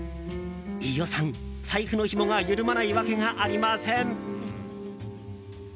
飯尾さん、財布のひもが緩まないわけがありません。